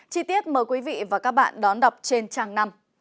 chi tiết mời quý vị và các bạn đón đọc trên trang năm